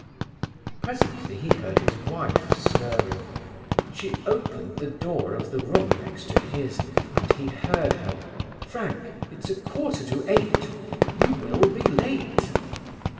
Presently he heard his wife stirring. She opened the door of the room next to his, and he heard her: "Frank, it's a quarter to eight. You will be late."